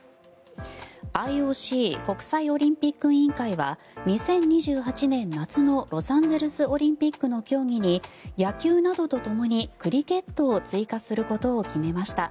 ＩＯＣ・国際オリンピック委員会は２０２８年夏のロサンゼルスオリンピックの競技に野球などとともにクリケットを追加することを決めました。